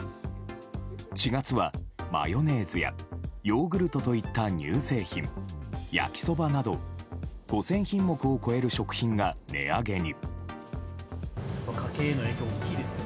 ４月はマヨネーズやヨーグルトといった乳製品焼きそばなど、５０００品目を超える食品が値上げに。